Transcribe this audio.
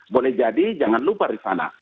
boleh jadi jangan lupa rifana